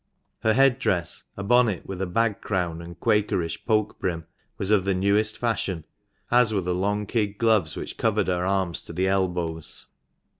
Her head dress, a bonnet with a bag crown and Quakerish poke brim, was of the newest fashion, as were the long kid gloves which covered her arms to the elbows.